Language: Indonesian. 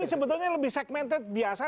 ini sebetulnya lebih segmented biasa